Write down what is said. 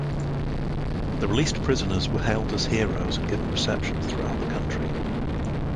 The released prisoners were hailed as heroes and given receptions throughout the country.